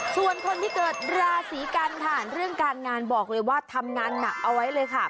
ส่วนคนที่เกิดราศีกันค่ะเรื่องการงานบอกเลยว่าทำงานหนักเอาไว้เลยค่ะ